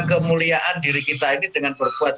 kemuliaan diri kita ini dengan berbuat